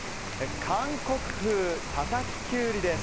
韓国風たたききゅうりです。